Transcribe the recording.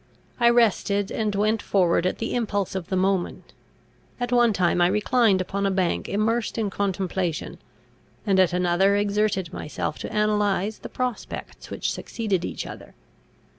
I rested and went forward at the impulse of the moment. At one time I reclined upon a bank immersed in contemplation, and at another exerted myself to analyse the prospects which succeeded each other.